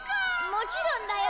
もちろんだよ